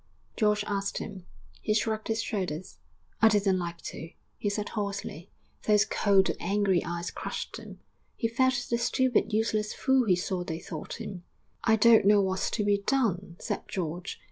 George asked him. He shrugged his shoulders. 'I didn't like to,' he said hoarsely; those cold, angry eyes crushed him; he felt the stupid, useless fool he saw they thought him. 'I don't know what's to be done,' said George.